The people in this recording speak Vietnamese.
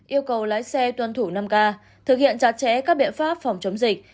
yêu cầu lái xe tuân thủ năm k thực hiện chặt chẽ các biện pháp phòng chống dịch